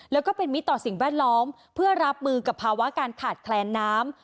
แล้วก็เป็นมิตรต่อสิ่งแวดล้อมเพื่อรับมือกับภาวะการขาดแคลนน้ำ